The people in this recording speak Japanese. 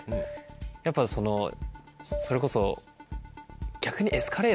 やっぱそのそれこそ。